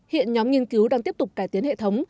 hiện nhóm nghiên cứu đang tiếp tục cải tiến hệ thống